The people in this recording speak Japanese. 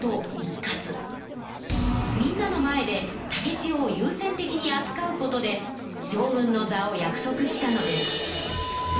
みんなの前で竹千代をゆう先的にあつかうことで将軍の座を約束したのです。